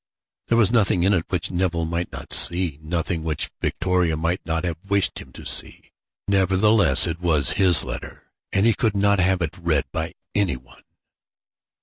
There was nothing in it which Nevill might not see, nothing which Victoria might not have wished him to see. Nevertheless it was now his letter, and he could not have it read by any one.